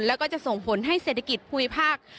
แล้วก็จะส่งผลให้เศรษฐกิจภูมิภาค